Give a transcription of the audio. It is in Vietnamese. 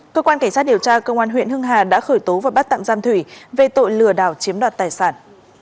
cơ quan cảnh sát điều tra công an huyện hưng hà đã khởi tố và bắt tạm giam thủy về tội lừa đảo chiếm đoạt tài sản